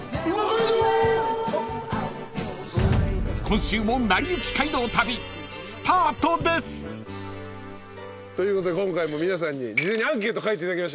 ［今週も『なりゆき街道旅』スタートです］ということで今回も皆さんに事前にアンケート書いていただきましたね。